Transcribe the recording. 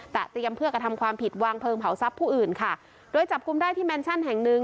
แต่เตรียมเพื่อกระทำความผิดวางเพลิงเผาทรัพย์ผู้อื่นค่ะโดยจับกลุ่มได้ที่แมนชั่นแห่งหนึ่ง